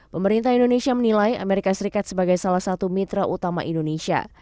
pemerintah indonesia menilai amerika serikat sebagai salah satu mitra utama indonesia